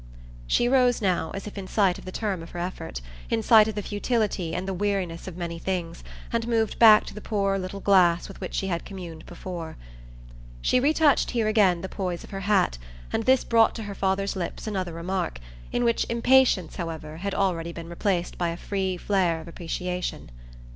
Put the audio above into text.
She rose now, as if in sight of the term of her effort, in sight of the futility and the weariness of many things, and moved back to the poor little glass with which she had communed before. She retouched here again the poise of her hat, and this brought to her father's lips another remark in which impatience, however, had already been replaced by a free flare of appreciation.